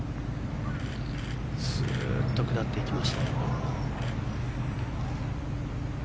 スーッと下っていきました。